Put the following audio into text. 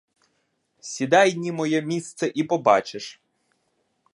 Сідай ні моє місце і побачиш.